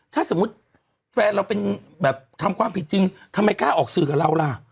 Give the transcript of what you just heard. ถ้าสมมุติแฟนเราเป็นแบบทำความผิดจริงทำไมกล้าออกสื่อกับเราล่ะ